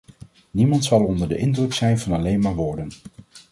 Niemand zal onder de indruk zijn van alleen maar woorden.